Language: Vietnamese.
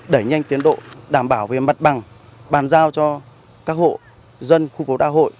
đẩy nhanh tiến độ đảm bảo về mặt bằng bàn giao cho các hộ dân khu vô đa hội